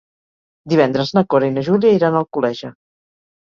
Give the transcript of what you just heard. Divendres na Cora i na Júlia iran a Alcoleja.